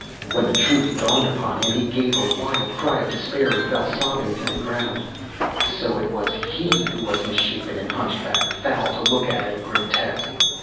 When the truth dawned upon him, he gave a wild cry of despair, and fell sobbing to the ground. So it was he who was misshapen and hunchbacked, foul to look at and grotesque.